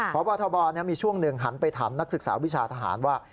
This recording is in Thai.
พบทบมีช่วงหนึ่งหันไปถามนักศึกษาวิชาทหารว่า